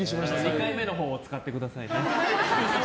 ２回目のほうを使ってくださいね。